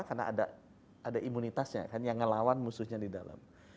karena ada imunitasnya kan yang ngelawan musuhnya di dalam